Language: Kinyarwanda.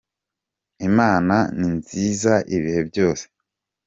imana ni nziza ibihe byose